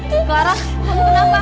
clara kamu kenapa